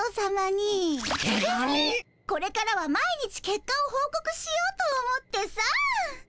これからは毎日けっかをほうこくしようと思ってさ。